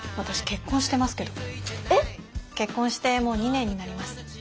えっ！？結婚してもう２年になります。